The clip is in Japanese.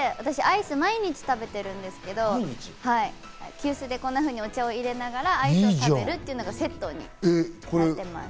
はい、なので私、毎日アイスを食べてるんですけど、急須でこんなふうにお茶を入れながらアイスを食べるというのがセットです。